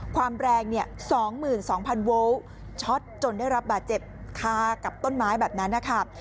ความแรง๒๒๐๐โวลต์ช็อตจนได้รับบาดเจ็บคากับต้นไม้แบบนั้นนะคะ